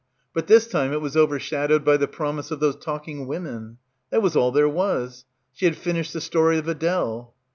But this time it was overshadowed by the promise of those talking women. That was all there was. She had finished the story of Adele.